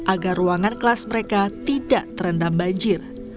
agar ruangan kelas mereka tidak terendam banjir